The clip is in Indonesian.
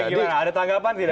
ada tanggapan tidak kalau ferry